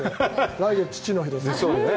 来月父の日ですからね。